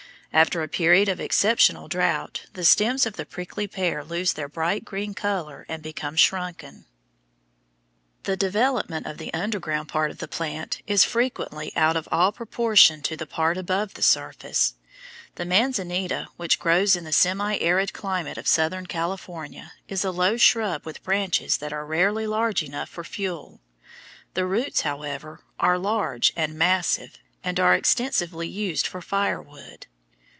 After a period of exceptional drought, the stems of the prickly pear lose their bright green color and become shrunken. [Illustration: FIG. 81. PRICKLY PEAR, BALL CACTUS, AND SPANISH BAYONET] The development of the underground part of the plant is frequently out of all proportion to the part above the surface. The manzanita, which grows in the semi arid climate of southern California, is a low shrub with branches that are rarely large enough for fuel. The roots, however, are large and massive, and are extensively used for firewood.